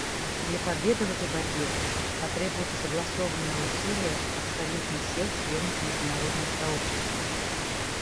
Для победы в этой борьбе потребуются согласованные усилия абсолютно всех членов международного сообщества.